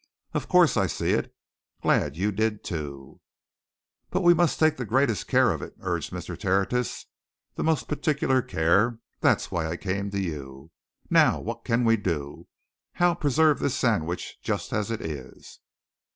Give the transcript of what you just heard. Of course, I see it. Glad you did, too!" "But we must take the greatest care of it," urged Mr. Tertius. "The most particular care. That's why I came to you. Now, what can we do? How preserve this sandwich just as it is?"